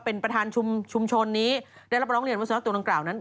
เป็นประธานชุมชนนี้ได้รับร้องเรียนว่าสุนัขตัวดังกล่าวนั้น